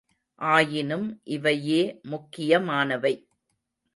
ஆயினும், இவையே முக்கியமானவை!